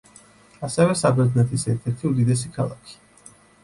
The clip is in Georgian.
ასევე, საბერძნეთის ერთ-ერთი უდიდესი ქალაქი.